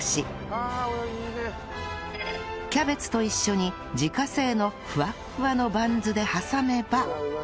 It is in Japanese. キャベツと一緒に自家製のふわっふわのバンズで挟めば